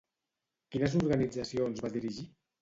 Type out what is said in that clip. Quines organitzacions va dirigir?